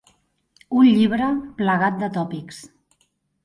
Un llibre plagat de tòpics.